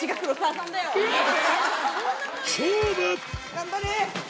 頑張れ！